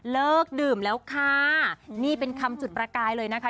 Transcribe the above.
เลิกดื่มแล้วค่ะนี่เป็นคำจุดประกายเลยนะคะ